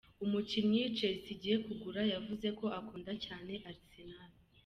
Umukinnyi Chelsea igiye kugura yavuze ko akunda cyane Arsenal .